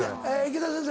池田先生